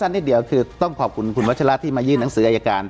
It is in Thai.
นิดเดียวคือต้องขอบคุณคุณวัชละที่มายื่นหนังสืออายการ